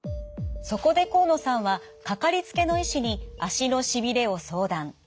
そこで河野さんは掛かりつけの医師に足のしびれを相談。